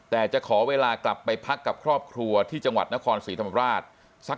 แต่จะขอเวลากลับไปพักกับครอบครัวที่จังหวัดนครศรีธรรมราช